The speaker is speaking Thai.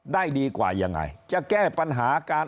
ได้ดีกว่ายังไงจะแก้ปัญหาการ